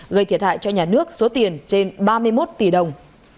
gây thiệt hại cho nhà nước số tiền trên ba mươi một tỷ đồng